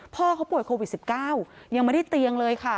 พ่อเขาป่วยโควิด๑๙ยังไม่ได้เตียงเลยค่ะ